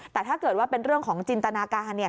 แต่ถ้าเกิดว่าเป็นเรื่องของจินตนาการ